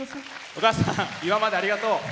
お母さん、今までありがとう。